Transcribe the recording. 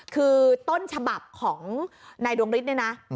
คือต้นฉบับของนายดวงฤทธิเนี่ยนะ